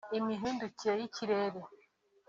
imihindukire y’ikirere